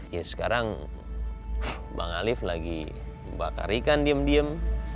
ya sekarang bang alif lagi bakar ikan diem diem